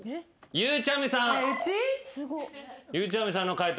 ゆうちゃみさんの解答